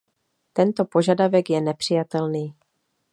Tento požadavek je nepřijatelný.